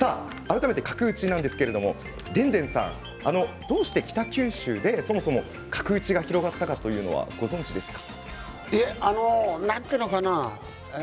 改めて角打ちですがでんでんさんどうして北九州でそもそも角打ちが広がったのかご存じですか？